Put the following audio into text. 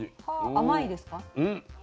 甘いですか？